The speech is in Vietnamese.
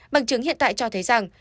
bằng chứng hiện tại cho thấy rằng